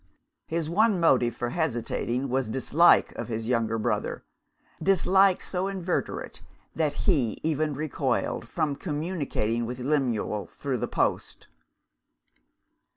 His one motive for hesitating was dislike of his younger brother dislike so inveterate that he even recoiled from communicating with Lemuel through the post.